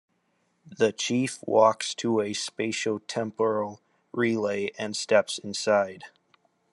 The Chief walks to a spatio-temporal relay and steps inside.